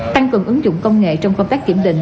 tăng cường ứng dụng công nghệ trong công tác kiểm định